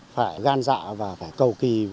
phải gan dạ và phải cầu kỳ